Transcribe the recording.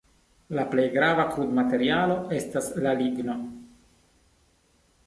La plej grava krudmaterialo estas la ligno.